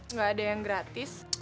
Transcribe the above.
nggak ada yang gratis